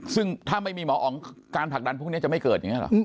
ซึ่งถ้าไม่มีหมออ๋องการผลักดันพวกนี้จะไม่เกิดอย่างนี้หรอ